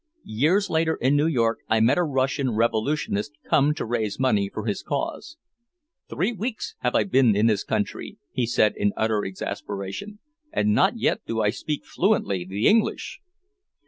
Years later in New York I met a Russian revolutionist come to raise money for his cause. "Three weeks have I been in this country," he said in utter exasperation. "And not yet do I speak fluently the English!"